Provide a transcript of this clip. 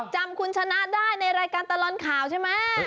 จำคุณชนะได้ในรายการตลอดข่าวใช่ไหม